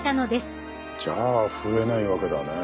じゃあ増えないわけだね